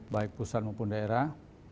baik pusat maupun daerah